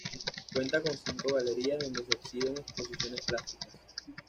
Cuenta con cinco galerías donde se exhiben exposiciones plásticas.